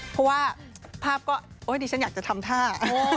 เพราะว่าภาพก็โอ๊ยดิฉันอยากจะทำท่า